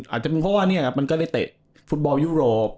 อาจจะเป็นเพราะว่าเนี่ยมันก็ได้เตะฟุตบอลยุโรป